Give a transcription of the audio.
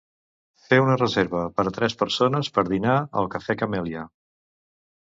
Fer una reserva per a tres persones per dinar al Cafè Camèlia.